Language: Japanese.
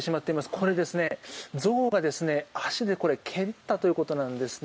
これ、象が足で蹴ったということなんですね。